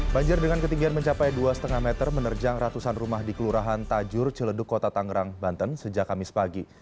banjir dengan ketinggian mencapai dua lima meter menerjang ratusan rumah di kelurahan tajur ciledug kota tangerang banten sejak kamis pagi